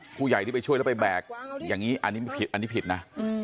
ผู้ใหญ่ที่ไปช่วยแล้วไปแบกอย่างนี้อันนี้ไม่ผิดอันนี้ผิดนะ